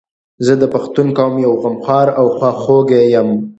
زه د پښتون قوم یو غمخوار او خواخوږی یم